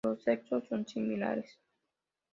Los sexos son similares.